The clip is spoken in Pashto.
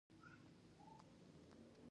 هېواد باید په مینه وساتل شي.